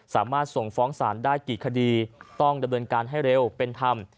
สามารถส่งฟ้องศาลได้กี่คดีต้องดำเนินการให้เร็วเป็นธรรม